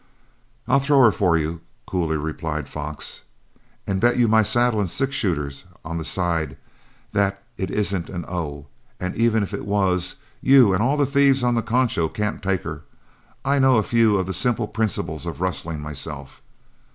"I'll throw her for you," coolly replied Fox, "and bet you my saddle and six shooter on the side that it isn't an 'O,' and even if it was, you and all the thieves on the Concho can't take her. I know a few of the simple principles of rustling myself.